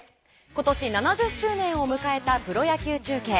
今年７０周年を迎えたプロ野球中継。